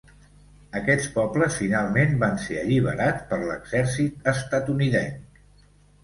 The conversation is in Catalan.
Aquests pobles finalment van ser alliberats per l'exèrcit estatunidenc.